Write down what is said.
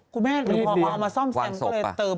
ออกมาสร้ำแสงก็เลยเติม